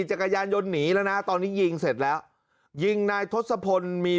จักรยานยนต์หนีแล้วนะตอนนี้ยิงเสร็จแล้วยิงนายทศพลมี